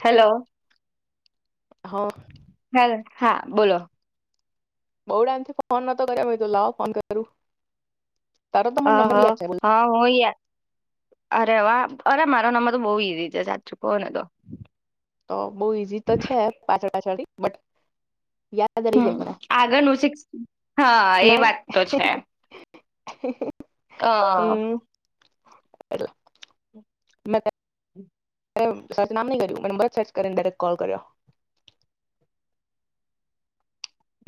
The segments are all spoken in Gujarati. હેલો હા હેલ હા બોલો. બઉ ટમ થી ફોન નતો કર્યા તો લાવ ફોન કરું. તારો તો હ મને હ નંબર બી યાદ છે બોલ હા હું યાર. અરે વા અરે મારો નામર તો બહુ ઈઝી છે સાચચું કહો ને તો તો બઉુ ઈઝી તો છે પાછળ પાછળ બટ યાદ રહી હમ જાય મને આગળનું શિક્ષ હા એ નહીં વાત તો છે હ હમ [inaudible] સચ નામ નહી કર્યું મને બ સર્ચ કરીને ડાયરેક્ટ કોલ કર્યો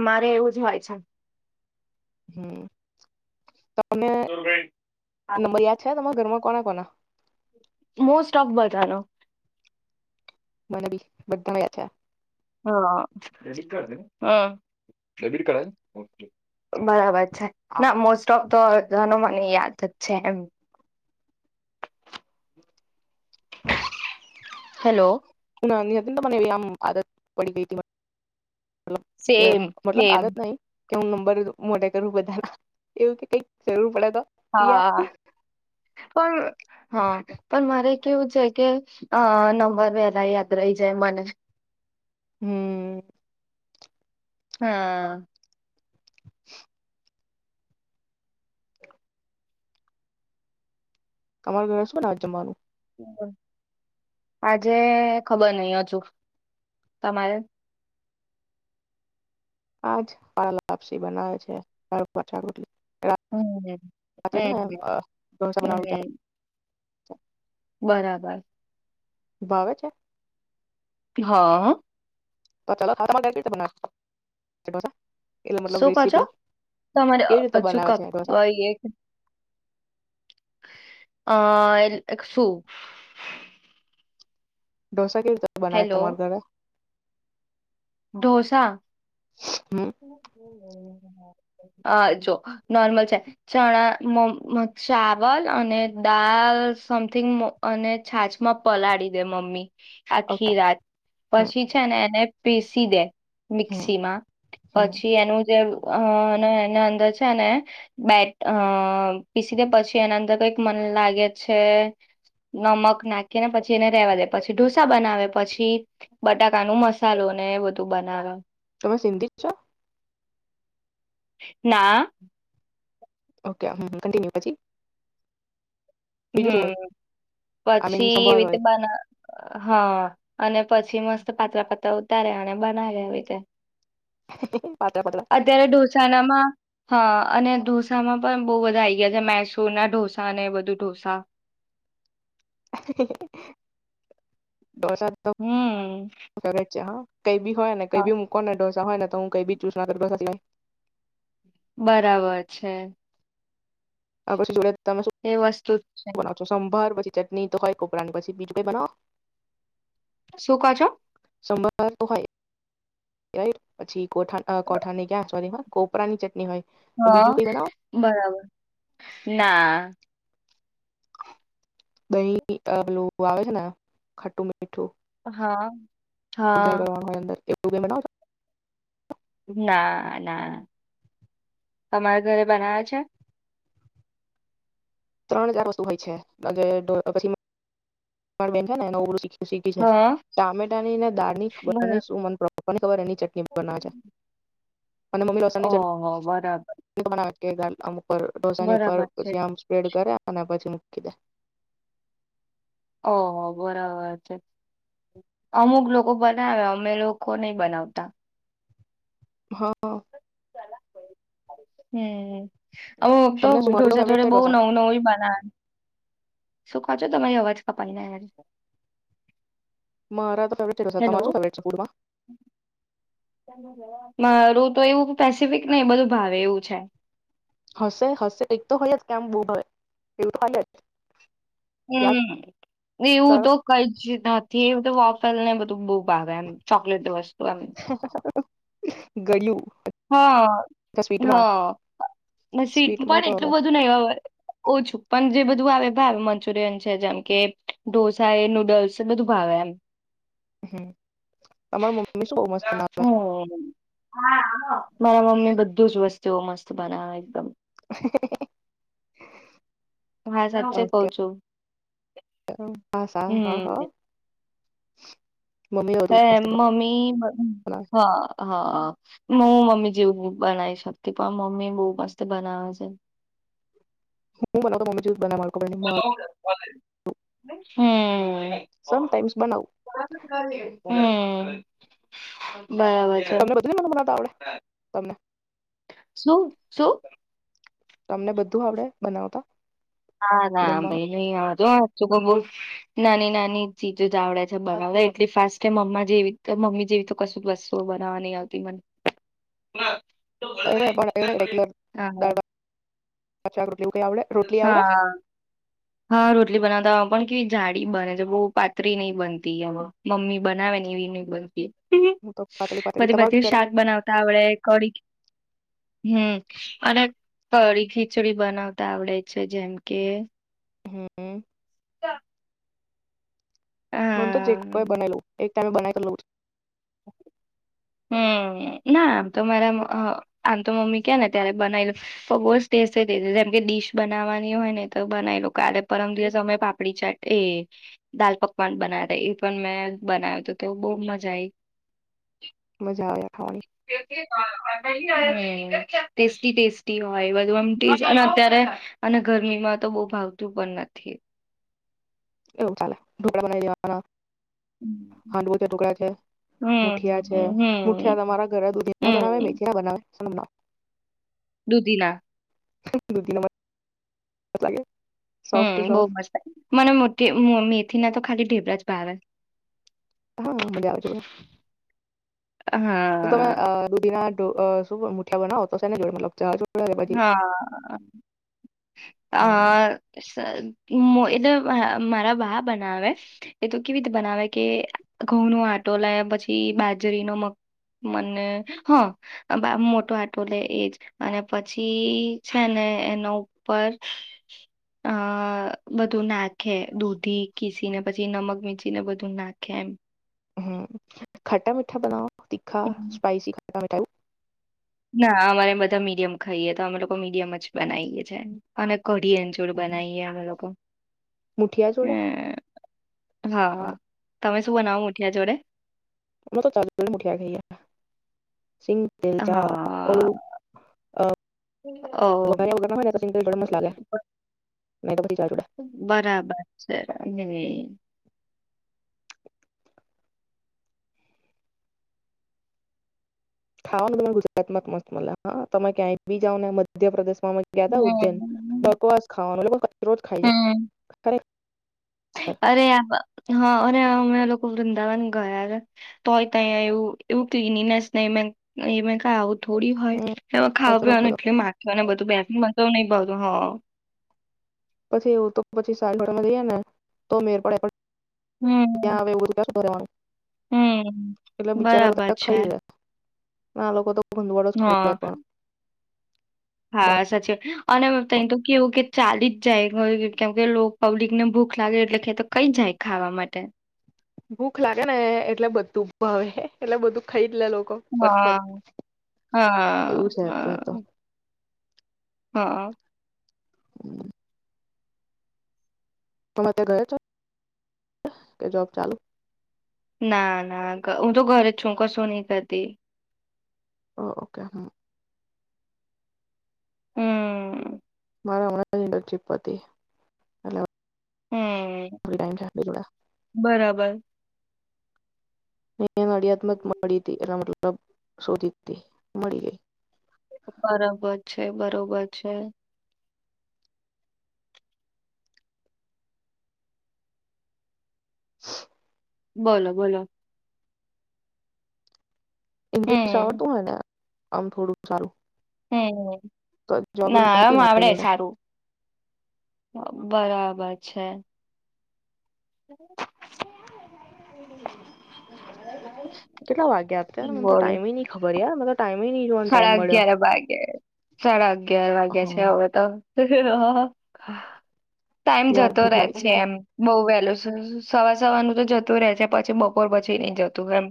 મારે એવું જ હોય છે. હમ અને નંબર યાદ છે તમારા ઘરમાં કોના કોના મોસ્ટ ઓફ બધનો મને બી બદ મયા છે હાટ બરાબર છે ના મોસ્ટ ઓફ તો મને યાદ જ છે એમ હેલો ત મનેવ્યામ આદત પડી ગઈ મતલબ કે સેમ મતલબ સેમ આરત નહી કે હું નંબર મોટા કરું બધા એવું કે કઈક જરૂર પડે તો યાર હા પણ હા પણ મારે કેવું છે કે અ નંબર વેલા યાદ રહી જાય મને હમ હા [inaudible] તમાર ઘર છું ને આજ જમવાનું આજે ખબર નઈ હજુ તમારે આાજ પાલાપસી બનાવે છે પાછાટલી રા હમ છે ને હમ બના [inaudible] હમ બરાબર વાવે છે હા તો ચાલ ખારા માટે શું કજો તમાને કેવી રીતે હજુ ક બનાવે છે ઢોસા એક આ સુું ડોસા કેવ બનાય તમારે ઘરે ડોસા હમ હ જો નોર્મલ છે ચણા ચાવલ અને દાળ સમથિંગ અને છાછમાં પલાળી દે મમ્મી ઓકે આખી રાત હમ પછી છે ને એને પિશી દે હમ મિક્સી માં હમ પછી એનું જે અ એના અંદર છે ને, બેટ અ પીસી દે પછી એના અંદર કઈક મન લાગે છે, નમક નાખીને પછી એને રેવા દે પછી ઢોસા બનાવે પછી બટાકાનું મસ ચાલો ને એ બધું બનાવે. તમે સિંધી છો ના. ઓકે કિન્ય હમ, આઈ મીન પછી એ સંભાર રીતે હોય બના હા. અને પછી મસ્ત પાતળા પાત્રા ઉતારે અને બનાવે આવીવી રીતે. પાતળા પાતળા અત્યારે ઢોસાનામાં હા અને ઢોસામાં પણ બહુ બધા આ આવી ગયા છે મસૂર ના ઢોસા અને બધું ઢોસા. હા. [unintelligible] દોસાટ હમ છે હા. કઈ ભી હો ને હા, કઈ મકો નને દોર હોય ને તો હું કઈ બી ચુસ ના કર બરાબર છે. આ પછી જોડે તમે શું એ વસ્તુ જ છે. બનાવ છો સંભાર પછી ચટણી તો હોય કોપરા ની પછી બીજ ભઈ બનાવો. શું કાચો? સંભર તો હોય, રાઈટ પછી કોઠા કોઠાની ક્યા સોરી હ કોપરા ની ચટણી હોય. હા, બીજું કઈ બનાવો બરાબર, ના. દહી આવે છે ને, ખટ્ટ. હા, વઘાર હા. કરવાનું [unintelligible] ના ના, તમારા ઘરે બનાવે છે? ત્રણ હજાર વસ્તુ હોય છે, પછી મળ બે નવું શી શીખી છે, હા ટામેટાનીને દાળ ની ખબર ને બરાબર શું મ [unintelligible] ખબર એની ચટણી બનાવે છે, અને મમ્મી લસણની ચટ ઓહો બરાબર વામક [unintelligible] ઉપ ડોસાની બરાબર છે ઉપરમ સ્પ્રેડ અને પછી મૂકી દે. ઓ બરાબર છે, અમુક લોકો બનાવે અમે લોકો નહી બનાવતા. હ. હમ્મ. હ તો તમને શું મારું રઢોસા ફેવરેટ જોડે છે બઉ ઢોસા નવું નવું બનાશું. તમારી અવાજ કપાઈ ને મારા તો [unintelligible] મારું તો એવું પેસિફિક ને એ બધું ભાવે એવું છે. હશે હશે એક તો હોય જ કેમ બો ભાવે એવું હોય જ. યાદ હમ્મ એવું કરો તો કઈ જ નથી. તો વોફલ ને‌ બધું બો ભાવે‌ એમ‌ ચોકલેટ વસ્તુ એમ. ગડીયુ હ હ સ્વીટ સ્વીટમાં પણ તો હવે એટલું બધું ન ઓછું પણ જે બધું બધું આવે ભાવ મંચુરિયન છે, જેમ કે ઢોસા, એ નુડલ્સ, બધું ભાવે એમ. હમ્મ તમાર મમ્મી શું બહુ મસ્ત બનાવે? હમ. મારા મમ્મી બધું જ વસ્તવો મસ્ત બનાવે એકદમ. હા સાચ્ચે કઉ બનાવે છું હા સા હા હમ્મ હા મમ્મી હે બધું મસ્ત મમ્મી બનાવે હા હા હ મમ્મી મમ્મી જેવું બનાવી શકતી પણ મમ્મી બહુ મસ્ત બનાવે છે. હું બનાવતો મમ્મી જેવું બને મારું તો હમ્મ સમટાઈમ્સ બનાવું હમ્મ તમને બધી બનાવતા આવડે તમેં શું શું? તમને બધું આવડે બનાવતા ના ના જમવાનું ભઈ નઈ જો હાચુ કો બો નાની નાની ચીજો જ આવડે છે. બનાવતાં એટલી ફાસ્ટ મમ્મી જેવી મમ્મી જેવી તો કશું વસ્તુ બનાવા ન આવતી મને. અરે‌ પણ [unintelligible] ‌‌ દાળ ભાત અચ્છા હા હા રોટલી બનાતા પણ કે જાડી બને છે. બહુ પાતળી નહીં બનતી મમ્મી બનાવે ને એવી નહ બ હું તો પાતળી પાતળી મને તમારે બધી ઘરે શાક બનાવતા આવડે કડી હમ્મ અને કઢી ખીચડી બનાવતા આવડે છે જેમ કે હમ્મ મન તો જ હા કઈ બનેલું એક [unintelligible] [inaudible] હમ ના આમ તો મારા આમ તો મમ્મી કે ને ત્યારે બનાવી લોગ જ ટેસે જેમ કે ડડીશ બનાવવાની હોય ને તો બનાવી લો કાલે પરમ દિવસ અમે પાપડી ચાટ એ દાલ પકવાન બનાવે એ પણ મેં બનાવ્યું તો તે બહુ મજા આવી મજા આવ્યા [inaudible] હ ટેસ્ટી ટેસ્ટી હોય બધુંમ અને અત્યારે અને ગરમી માં તો બહુ ભાવતું પણ નથી એવું ચાલે ઢોકડાે બનાવી દે વાના હમ હાંડવો છે ટુકડા છે મુઠિયા છે હમ હમ મુઠિયા તમારા ઘરે દૂધી ના બનાવે હમ મેથીયા બનાવે સુુંના દુધીના દધના માટે ક લાગે હમ બહુ સોફ્ટ મસ્ત મને મુઠ થી ના તો ખાલી ઢેબરા જ ભાવે હા મજા આવે છે. તો તમે હા દુધીના ઠો મુઠ્યા બનાવ હો તો સેને જોડે મતલબ ચા જોડે કે પછી હમ હા હ એટલે મારા બા બનાવે એ તો કેવી રીતે બનાવે કે ઘઉં નો આટો લે પછી બાજરીનો મ મને હ મોટો આટો લે એજ અને પછી છે ને એનો ઉપર અ બધું નાક ખે દૂધી કીસી ને પછી નમક મ ને બધું નાખે એમ હમ ખટા મીઠા બનાવ તીખા હમ. સ્પાઈસી ખ મે ટું ના અમારે બધા મીડિયમ ખાઈએ તો અમે લોકો મીડિયમ જ બનાવીએ છ છે અને કઢી અંચૂળ એવું બનાવીએ અ લોકો મુઠિયા જોડે હમ હા તમે શું બનાવું ઉઠ્યા જોડે ઉ તો ચાલલ મુઠ્યા ગઈ હ સિંગતેલ ચા હા ઓલું ઓ અર સિંગતેલ બડ મસા લાગે મે બરાબર છે. ત થાવ ને તમે ગુજરાત માં મસ્ત મ હા તમે ક્યાંય બી જઓ ને મધ્યપ્રદેશ અમે ગયાતા ઉજ્જૈન હમ બકવાસ ખાવાનું એ લોકો રોજ ખાઈએ હમ. ખરેખર અરે આહ હ અરે અમે લોક વૃંદાવન ગયા તોય તાય એવું એવું ક્લીનીનેસ ને એ મે ક ને એ મે કે આવ થોડી હોય હમ એ ખાવા કચરો પીવાનું બધો એટલે માખી અને બધું બેથલી હોય. તો નહી ભાવતુ હ. પછી એવું તો પછી સારી હોટલમાં જઈએ, ને તો મેર પડે પડ હમ ત્યાં અને એવું બધું કરવા રેવાનુ. હમ બરાબર છે. ના આ લોકો તો ભનવળ જ હા ખરાબ પણ. બાર હા સાચીત, અને તય તો કેવું કે ચાલી જાય મને બી કેમ કે લોક પબ્લિકને ભૂખ લાગે એટલે એ તો ખઈ જાય ખાવા માટે. ભૂખ લાગે ને એટલે બધું ભાવે એટલે બધું ખાઈ જ લે લોકો હા ફટફટ હા એવું છે અત્યારે તો હા. હા. [inaudible] તમે તે ગયો છો, કે જોબ ચાલુ. ના ના ઘ હું તો ઘરે જ છું કશું નહી કરતી. ઓ ઓકે હ. હમ. મારા માટે જ એ ટ્રીપ હતી, એટલે અવે હમ, બરાબર. નડિયાત્મક મળી હતી એના મતલબ શોધી હતી મળી ગઈ. બરોબર છે બરોબર છે. [inaudible] બોલો બોલો. ઈગ્લિશ હમ આવડતું અહે ને? આમ થોડુંક સારું. હમ, તો જોબ ના હતી આમ મારી આવડે જોડે સારું, બરાબ બ છે. [inaudible] કેટલા વાગ્યા અત્યારે મને તો બોલો ટાઈમ બી નય ખબર યાર? મને તો ટાઈમ નહી જોવાનો સાડા ટાઈમ મળ્યો અગિયાર વાગે સાડા અગિયાર વાગે છે હા હવે તો. હી હી હ હ [unintelligible] ટાઈમ યાર જતો ભૂખ રહેે છે લાગી એમ બહ વહેલું. સવા સવારનું તો જતું રે છે પછી બપોર પછી નઈ જતું એમ.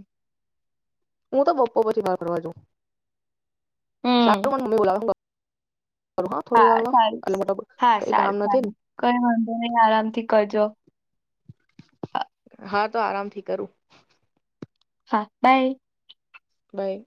હું તો બપો પછી બાર ફડવા જઉ. હમ શારું મમી બલા [unintelligible] હા સારું એટલે મતલબ હા કઈ કામ સારું નથી સારું ને કઈ વાંધો નહી આરામથી કરજો. હા તો આરામથી કરું. હા બાય. બાય.